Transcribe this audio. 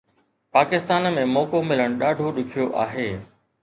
پاڪستان ۾ موقعو ملڻ ڏاڍو ڏکيو آهي